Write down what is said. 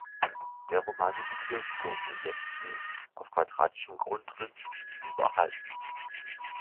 Der romanische Kirchturm im Westen auf quadratischem Grundriss blieb erhalten.